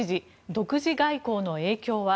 独自外交の影響は。